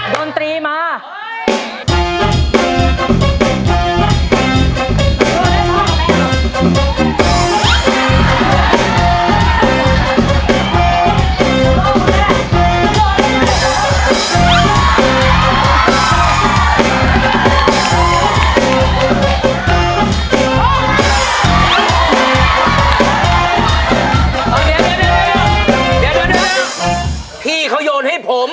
เดี๋ยวเดี๋ยวเดี๋ยวที่เค้าโยนให้ผม